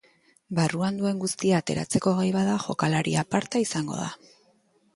Barruan duen guztia ateratzeko gai bada jokalari aparta izango da.